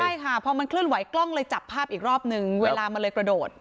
ใช่ค่ะพอมันเคลื่อนไหกล้องเลยจับภาพอีกรอบนึงเวลามันเลยกระโดด